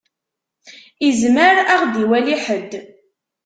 Izmer ad ɣ-d-iwali ḥedd.